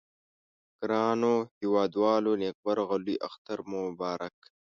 ګرانو هیوادوالو نیکمرغه لوي اختر مو مبارک